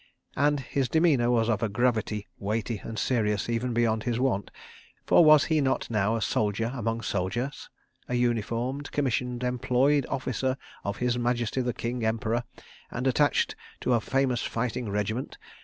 And his demeanour was of a gravity weighty and serious even beyond his wont, for was he not now a soldier among soldiers, a uniformed, commissioned, employed officer of His Majesty the King Emperor, and attached to a famous fighting regiment?